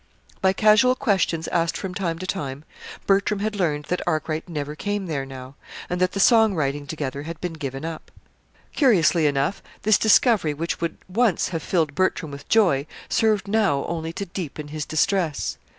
By casual questions asked from time to time, Bertram had learned that Arkwright never came there now, and that the song writing together had been given up. Curiously enough, this discovery, which would once have filled Bertram with joy, served now only to deepen his distress.